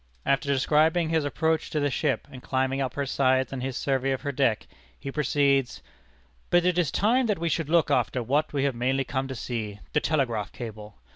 After describing his approach to the ship, and climbing up her sides and his survey of her deck, he proceeds: "But it is time that we should look after what we have mainly come to see, the telegraph cable.